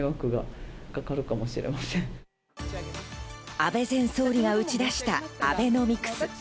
安倍前総理が打ち出したアベノミクス。